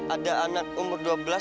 ada anak umur dua belas